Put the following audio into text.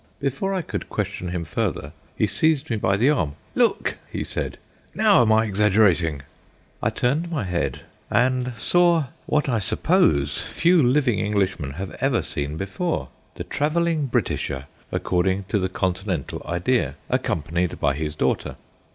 Before I could question him further, he seized me by the arm. "Look!" he said; "now am I exaggerating?" I turned my head and saw what, I suppose, few living Englishmen have ever seen before the travelling Britisher according to the Continental idea, accompanied by his daughter.